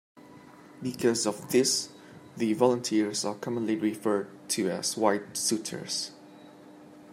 Because of this, the volunteers are commonly referred to as White Suiters.